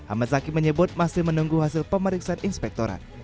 ahmad zaki menyebut masih menunggu hasil pemeriksaan inspektorat